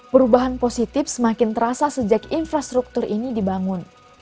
perubahan positif semakin terasa sejak infrastruktur ini dibangun